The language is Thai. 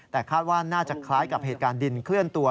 แต่คาดว่าน่าจะคล้ายกับเหตุการณ์ดินเคลื่อนตัว